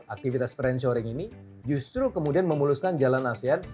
aktivitas franch shoring ini justru kemudian memuluskan jalan asean